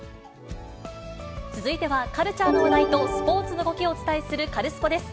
続いては、カルチャーの話題とスポーツを動きをお伝えするカルスポっ！です。